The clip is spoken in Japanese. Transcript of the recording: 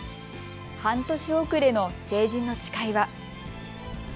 半年遅れの成人の誓いは。